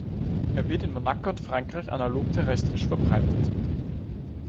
Er wird in Monaco und Frankreich analog terrestrisch verbreitet.